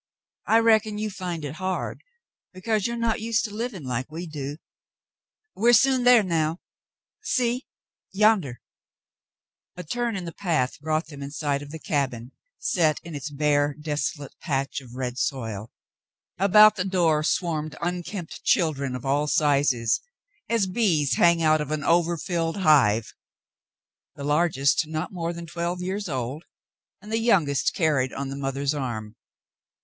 *'I reckon you find it hard because you are not used to living like we do; we're soon there now, see yonder ?" A turn in the path brought them in sight of the cabin, set in its bare, desolate patch of red soil. About the door swarmed unkempt children of all sizes, as bees hang out of an over filled hive, the largest not more than twelve years old, and the youngest carried on the mother's arm.